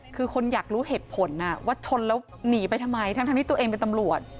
คือคนอยากรู้เหตุผลว่าชนแล้วหนีไปทำไมทั้งที่ตัวเองเป็นตำรวจ